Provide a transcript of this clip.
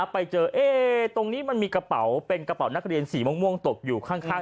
ไปเจอตรงนี้มันมีกระเป๋าเป็นกระเป๋านักเรียนสีม่วงตกอยู่ข้าง